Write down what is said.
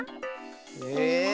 え。